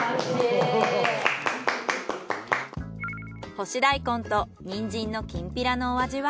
干し大根とニンジンのきんぴらのお味は？